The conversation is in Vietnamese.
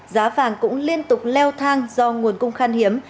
giá vàng cũng liên tục leo thang do nguồn cung khan hiếm